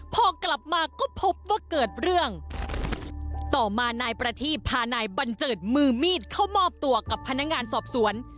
พอกลับมาก็พบว่าเกิดเรื่องต่อมานายประทีบพานายบัญเจิดมือมีดเข้ามอบตัวกับพนักงานสอบสวน